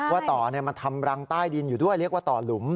ว่าต่อมันทำรังใต้ดินอยู่ด้วยเรียกว่าต่อหลุม